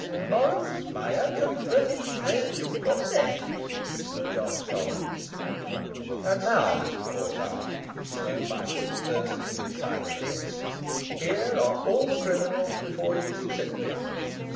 'Morris, my unconverted friend, you've got left,' was John's comment. 'And now, Mr Forsyth,' resumed Michael, turning to his silent guest, 'here are all the criminals before you, except Pitman.